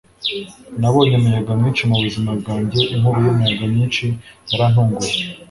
nabonye umuyaga mwinshi mubuzima bwanjye inkubi y'umuyaga nyinshi yarantunguye